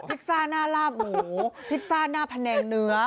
พิซซ่าหน้าลาบหมูพิซซ่าหน้าแผนงเนื้อ